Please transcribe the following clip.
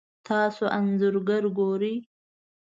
تاسو انځور ګورئ